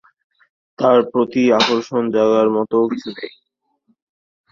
তার প্রতি আকর্ষণ জাগার মতও কিছু নেই।